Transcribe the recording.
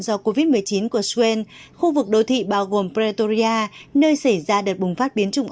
do covid một mươi chín của stress khu vực đô thị bao gồm pretoria nơi xảy ra đợt bùng phát biến chủng